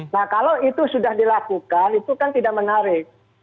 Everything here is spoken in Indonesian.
nah kalau itu sudah dilakukan itu kan tidak menarik